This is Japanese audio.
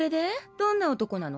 どんな男なの？